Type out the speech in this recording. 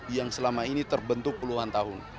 yang selama ini terbentuk puluhan tahun